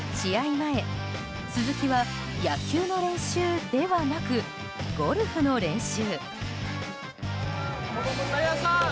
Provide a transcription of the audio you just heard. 前鈴木は野球の練習ではなくゴルフの練習。